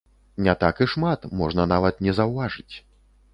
Не так і шмат, можна нават не заўважыць.